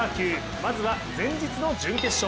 まずは前日の準決勝。